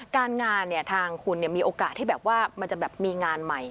การงานเนี่ยทางคุณมีโอกาสที่แบบว่ามันจะแบบมีงานใหม่